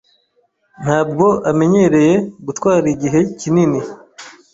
Ntabwo amenyereye gutwara igihe kinini.